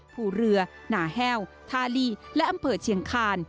ภูเรือหนาแห้วทาลีและอำเภอเชียงคาน